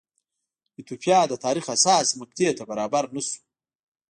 ایتوپیا د تاریخ حساسې مقطعې ته برابر نه شو.